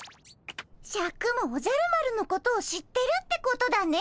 シャクもおじゃる丸のことを知ってるってことだね。